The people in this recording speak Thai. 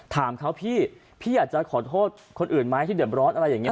ถามเขาพี่พี่อยากจะขอโทษคนอื่นไหมที่เดือบร้อนอะไรอย่างนี้